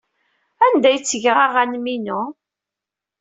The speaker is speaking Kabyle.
Anda ay ttgeɣ aɣanen-inu?